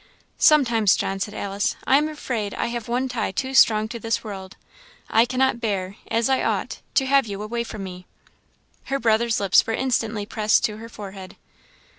"Sometimes, John," said Alice, "I am afraid I have one tie too strong to this world. I cannot bear as I ought to have you away from me." Her brother's lips were instantly pressed to her forehead.